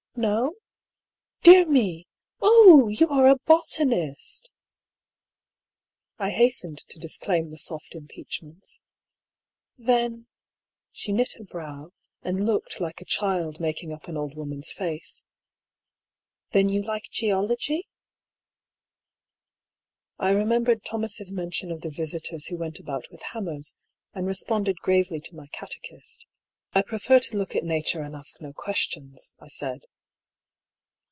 No ? Dear me I Oh, you are a botanist !" I hastened to disclaim the soft impeachments. EXTRACT PROM DIARY OP HUGH PAULL. 31 " Then "— she knit her brow, and looked like a child making np an old woman's face —" then you like geol ogy?" I remembered Thomas' mention of the yisitors who went about with hammers, and responded gravely to my eatechist. " I prefer to look at Nature and to ask no questions," I said.